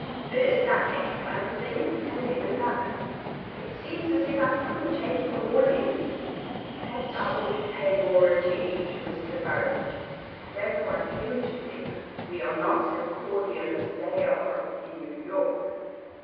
First I catch one thing and then another; it seems as if I couldn't take it all in. Perhaps I ought to pay more attention to Mr. Burrage; I don't want him to think we are not so cordial as they are in New York."